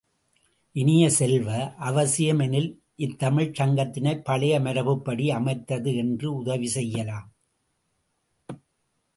இனிய செல்வ, அவசியம் எனில் இத்தமிழ்ச் சங்கத்தினைப் பழைய மரபுப்படி அமைந்தது என்று உதவி செய்யலாம்.